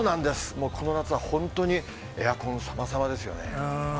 もうこの夏は本当にエアコンさまさまですよね。